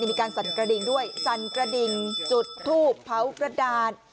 มีการสั่นกระดิ่งด้วยสั่นกระดิ่งจุดทูบเผากระดาษ